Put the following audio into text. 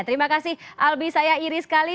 terima kasih albi saya iri sekali